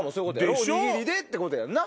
おにぎりでってことやんな。